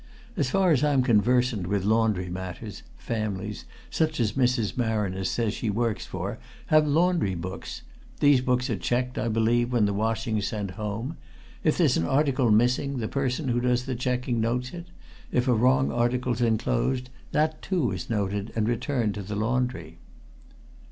As far as I'm conversant with laundry matters, families, such as Mrs. Marriner says she works for, have laundry books. These books are checked, I believe, when the washing's sent home. If there's an article missing, the person who does the checking notes it; if a wrong article's enclosed, that, too, is noted, and returned to the laundry."